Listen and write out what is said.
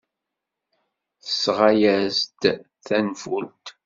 Tesɣa-as-d tanfult.